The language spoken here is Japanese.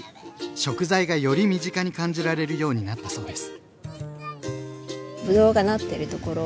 食材がより身近に感じられるようになったそうです。